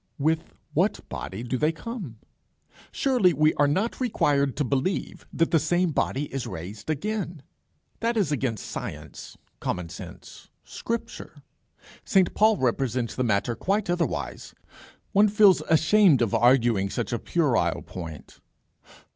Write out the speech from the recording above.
"With what body do they come?" Surely we are not required to believe that the same body is raised again. That is against science, common sense, Scripture. St Paul represents the matter quite otherwise. One feels ashamed of arguing such a puerile point.